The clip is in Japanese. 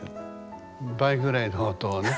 倍ぐらいの音をね。